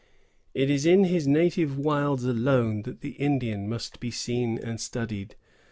It is in his native wilds alone that the Indian must be seen and studied.